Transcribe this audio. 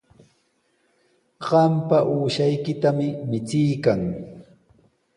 Qampa uushaykitami michiykan.